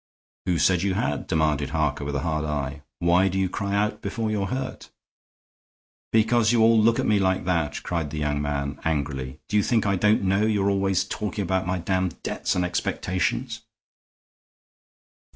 "Who said you had?" demanded Harker, with a hard eye. "Why do you cry out before you're hurt?" "Because you all look at me like that," cried the young man, angrily. "Do you think I don't know you're always talking about my damned debts and expectations?"